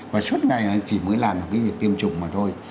và suốt ngày chỉ mới làm cái việc tiêm chủng mà thôi